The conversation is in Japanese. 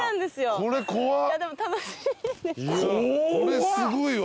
これすごいわ。